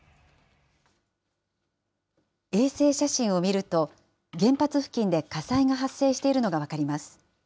衛星写真を見ると、原発付近で火災が発生しているのが分かります。